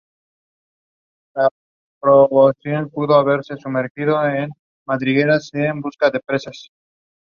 The interior architecture is reflected in its technically elaborate facade.